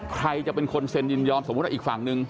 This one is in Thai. ใครจะเป็นคนเซ็นยินยอมสมมุติว่าอีกฝั่งนึง